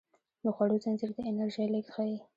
د خوړو زنځیر د انرژۍ لیږد ښيي